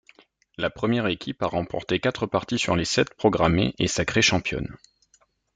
La première équipe à remporter quatre parties sur les sept programmées est sacrée championne.